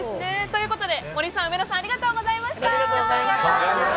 ということで、森さんうめのさんありがとうございました。